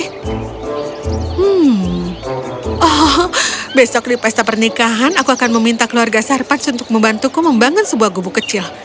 hmm oh besok di pesta pernikahan aku akan meminta keluarga sarpans untuk membantuku membangun sebuah gubuk kecil